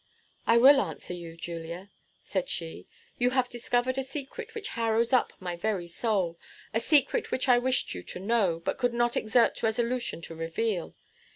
"I will answer you, Julia," said she. "You have discovered a secret which harrows up my very soul a secret which I wished you to know, but could not exert resolution to reveal.